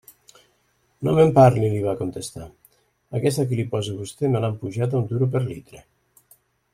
«No me'n parli», li va contestar, «aquesta que li poso a vostè me l'han apujada un duro per litre».